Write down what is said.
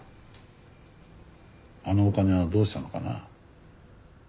あのお金はどうしたのかな？